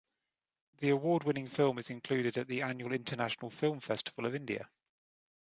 The award winning film is included at the annual International Film Festival of India.